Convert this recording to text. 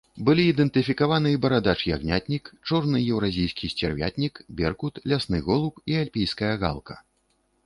Былі ідэнтыфікаваны барадач-ягнятнік, чорны еўразійскі сцярвятнік, беркут, лясны голуб і альпійская галка.